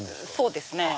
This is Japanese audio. そうですね。